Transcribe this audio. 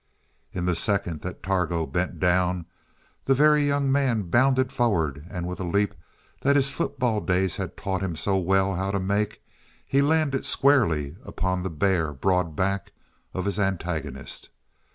In the second that Targo bent down the Very Young Man bounded forward, and with a leap that his football days had taught him so well how to make, he landed squarely upon the bare, broad back of his antagonist.